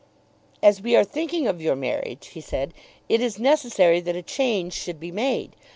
"As we are thinking of your marriage," he said, "it is necessary that a change should be made.